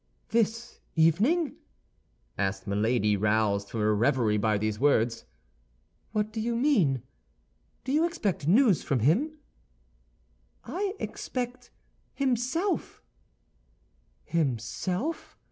"This evening?" asked Milady, roused from her reverie by these words. "What do you mean? Do you expect news from him?" "I expect himself." "Himself?